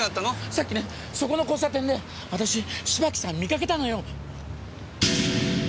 さっきねそこの交差点で私芝木さん見かけたのよ。